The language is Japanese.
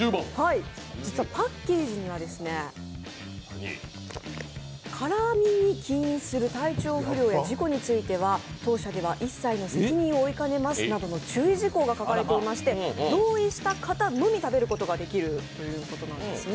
実はパッケージには辛味に起因する体調不良や事故については当社では一切の責任を負いかねますなどの注意事項が書かれていまして、同意した方のみ食べることができるということなんですね。